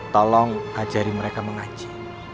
tolong ajari mereka mengaji